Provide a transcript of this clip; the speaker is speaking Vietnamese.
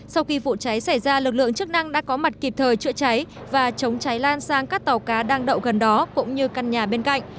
sau khi vụ cháy xảy ra lực lượng chức năng đã có mặt kịp thời chữa cháy và chống cháy lan sang các tàu cá đang đậu gần đó cũng như căn nhà bên cạnh